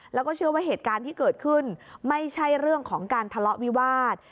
แล้วก็เชื่อว่าเหตุการณ์ที่เกิดขึ้นไม่ใช่เรื่องของการทะเลาะวิวาส